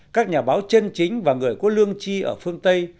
các nhà báo chân chính và người có lương chi ở phương tây